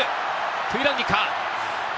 トゥイランギか？